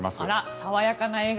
爽やかな笑顔。